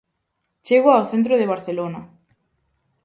Chego ao centro de Barcelona.